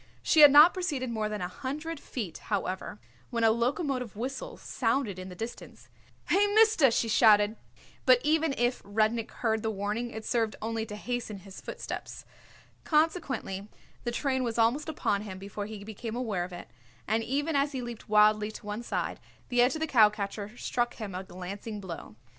She had not proceeded more than a hundred feet, however, when a locomotive whistle sounded in the distance. "Hey, mister!" she shouted; but even if Rudnik heard the warning it served only to hasten his footsteps. Consequently the train was almost upon him before he became aware of it, and even as he leaped wildly to one side the edge of the cowcatcher struck him a glancing blow.